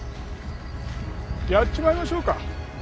やっちまいましょうか。